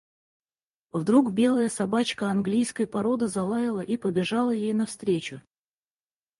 Вдруг белая собачка английской породы залаяла и побежала ей навстречу.